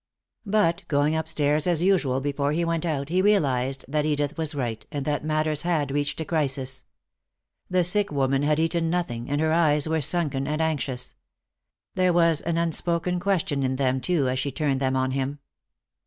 But, going upstairs as usual before he went out, he realized that Edith was right, and that matters had reached a crisis. The sick woman had eaten nothing, and her eyes were sunken and anxious. There was an unspoken question in them, too, as she turned them on him.